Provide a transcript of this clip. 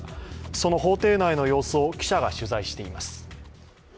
その法廷内の様子を記者が取材しています。